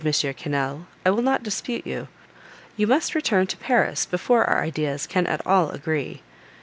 Quesnel, "I will not dispute with you. You must return to Paris before our ideas can at all agree.